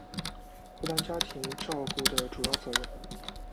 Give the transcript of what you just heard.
负担家庭照顾的主要角色